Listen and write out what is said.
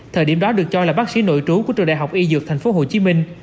thời điểm đó được cho là bác sĩ nội trú của trường đại học y dược tp hcm